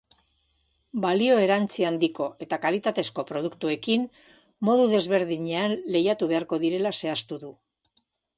Balio erantsi handiko eta kalitatezko produktuekin modu desberdinean lehiatu beharko direla zehaztu du.